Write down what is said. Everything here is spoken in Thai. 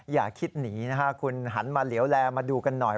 อย่าคิดหนีนะฮะคุณหันมาเหลวแลมาดูกันหน่อย